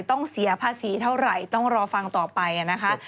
ต้องเสียภาษีเท่าไหร่ต้องรอฟังต่อไปนะคะ